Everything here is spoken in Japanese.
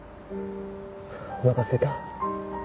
おなかすいた？